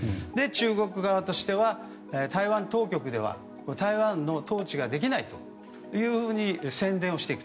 中国側としては台湾当局では台湾の統治ができないというふうに宣伝をしていく。